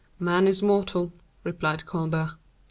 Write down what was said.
"Man is mortal," replied Colbert.